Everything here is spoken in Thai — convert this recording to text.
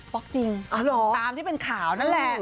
๊อกจริงตามที่เป็นข่าวนั่นแหละ